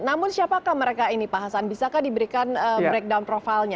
namun siapakah mereka ini pak hasan bisakah diberikan breakdown profilnya